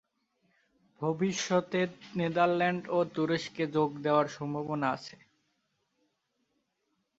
ভবিষ্যতে নেদারল্যান্ডস ও তুরস্কের যোগ দেওয়ার সম্ভাবনা আছে।